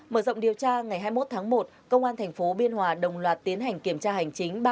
mở rộng điều tra ngày hai mươi một tháng một công an tp biên hòa đồng loạt tiến hành kiểm tra hành chính